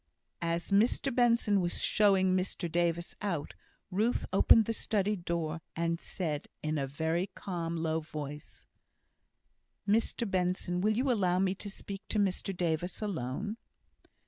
As Mr Benson was showing Mr Davis out, Ruth opened the study door, and said, in a very calm, low voice: "Mr Benson! will you allow me to speak to Mr Davis alone?"